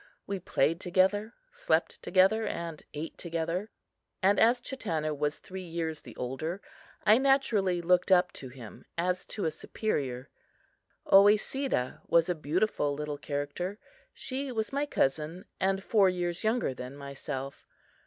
We played together, slept together and ate together; and as Chatanna was three years the older, I naturally looked up to him as to a superior. Oesedah was a beautiful little character. She was my cousin, and four years younger than myself.